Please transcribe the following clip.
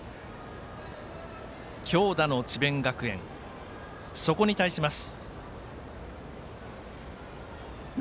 強打の智弁学園、そこに対します。